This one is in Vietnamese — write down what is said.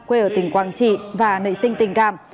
quê ở tỉnh quảng trị và nợ sinh tình cảm